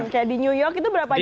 kayak di new york itu berapa jam